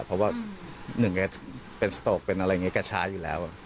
เพราะว่า๑เมตรเป็นสโตกเป็นอะไรอย่างนี้ก็ช้าอยู่แล้ว